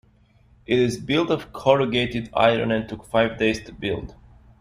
It is built of corrugated iron and took five days to build.